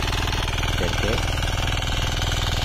Per què…?